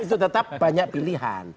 itu tetap banyak pilihan